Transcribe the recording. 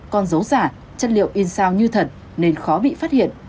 con dấu giả chất liệu in sao như thật nên khó bị phát hiện